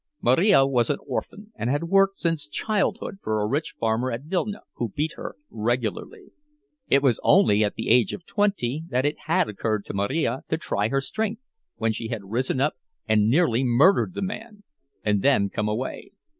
Marija was an orphan, and had worked since childhood for a rich farmer of Vilna, who beat her regularly. It was only at the age of twenty that it had occurred to Marija to try her strength, when she had risen up and nearly murdered the man, and then come away.